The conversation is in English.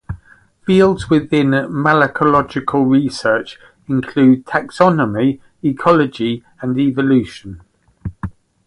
Fields within malacological research include taxonomy, ecology and evolution.